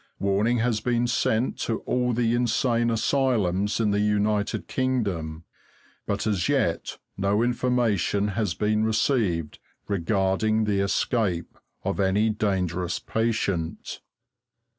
Warning has been sent to all the insane asylums in the United Kingdom, but as yet no information has been received regarding the escape of any dangerous patient.